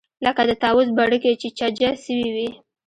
لکه د طاووس بڼکې چې چجه سوې وي.